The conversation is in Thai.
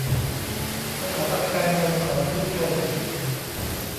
สถาบันการเงินของชุมชน